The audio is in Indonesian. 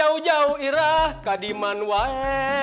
jauh jauh irah kadiman wahi